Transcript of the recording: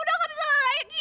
udah gak bisa lagi